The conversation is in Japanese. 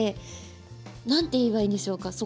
何て言えばいいんでしょうか